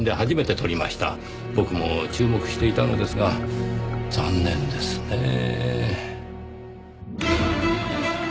僕も注目していたのですが残念ですねぇ。